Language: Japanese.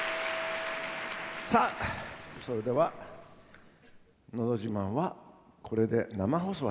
さあそれでは「のど自慢」はこれで生放送は終了です。